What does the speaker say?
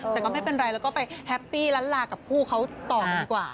แต่ก็ไม่เป็นไรแล้วก็ไปแฮปปี้ล้านลากับคู่เขาต่อกันดีกว่า